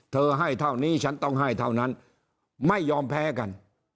ให้เท่านี้ฉันต้องให้เท่านั้นไม่ยอมแพ้กัน